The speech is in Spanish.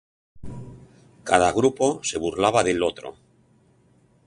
Cada grupo se burlaba del otro.